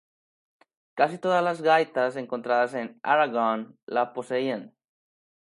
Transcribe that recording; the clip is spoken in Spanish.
Casi todas las gaitas encontradas en Aragón lo poseían.